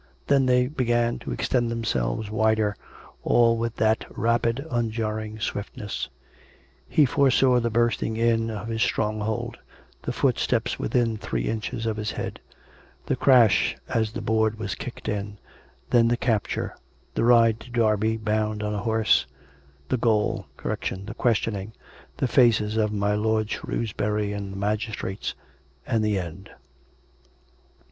Then they began to extend tKemselves wider, all with that rapid unjarring swiftness: he foresaw the bursting in of his stronghold ; the footsteps within three inches of his head; the crash as the board was kicked in: then the capture; the ride to Derby, bound on a horse; the gaol; the questioning; the faces of my lord Shrewsbury and the magistrates ... and the end.